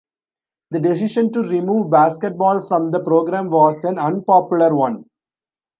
The decision to remove basketball from the programme was an unpopular one.